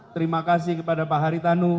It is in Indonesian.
terima kasih kepada pak haritanu